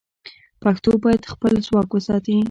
پښتو باید خپل ځواک وساتي.